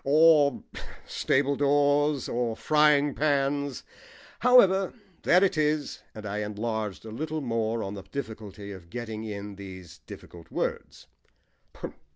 Or stable doors, or frying pans. However, there it is." And I enlarged a little more on the difficulty of getting in these difficult words.